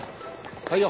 はいよ。